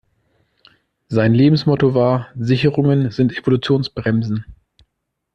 Sein Lebensmotto war: Sicherungen sind Evolutionsbremsen.